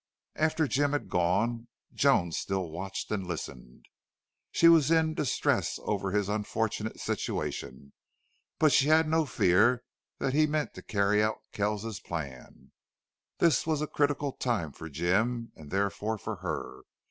After Jim had gone Joan still watched and listened. She was in distress over his unfortunate situation, but she had no fear that he meant to carry out Kells's plan. This was a critical time for Jim, and therefore for her.